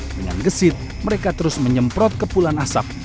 dengan gesit mereka terus menyemprot kepulan asap